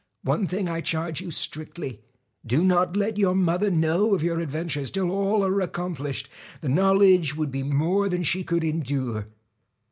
One thing I charge you strictly : do not let your mother know of your adventures till all are accomplished ; the knowledge would be more than she could endure.'